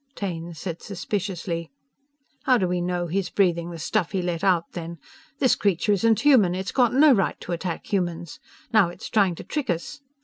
Taine said suspiciously: "How do we know he's breathing the stuff he let out then? This creature isn't human! It's got no right to attack humans! Now it's trying to trick us!"